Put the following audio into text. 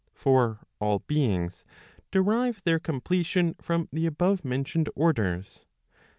For all beings derive their completion from the above mentioned orders.